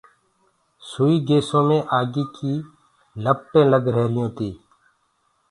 سئي گيسو مي آگيٚ ڪيٚ لپٽينٚ لگ رهيريونٚ تي۔